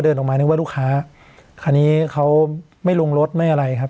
ออกมานึกว่าลูกค้าคราวนี้เขาไม่ลงรถไม่อะไรครับ